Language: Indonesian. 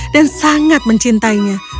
dan sangat mencintainya